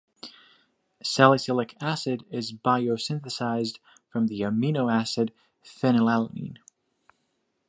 Salicylic acid is biosynthesized from the amino acid phenylalanine.